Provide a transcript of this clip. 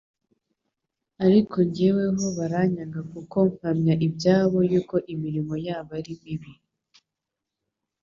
ariko jyeweho baranyaga kuko mpamya ibyabo yuko imirimo yabo ari mibi."